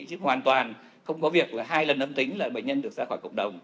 chứ hoàn toàn không có việc là hai lần âm tính là bệnh nhân được ra khỏi cộng đồng